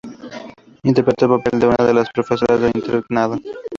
Interpretó el papel de una de las profesoras del internado.